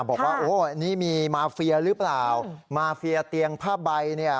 บอกว่าโอ้นี่มีมาเฟียหรือเปล่ามาเฟียเตียงผ้าใบเนี่ย